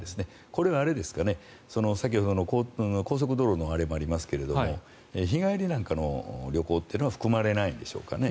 これは、先ほどの高速道路のあれもありますけど日帰りなんかの旅行というのは含まれないんですかね？